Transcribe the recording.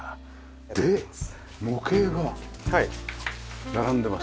で模型が並んでます。